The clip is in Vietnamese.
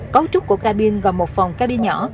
cấu trúc của ca binh gồm một phòng ca binh nhỏ